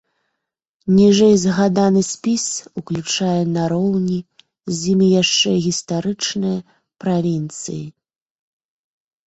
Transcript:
Ніжэйзгаданы спіс уключае нароўні з імі яшчэ і гістарычныя правінцыі.